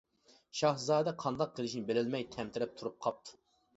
شاھزادە قانداق قىلىشىنى بىلەلمەي تەمتىرەپ تۇرۇپ قاپتۇ.